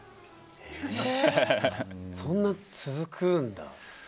そんな続くんだ。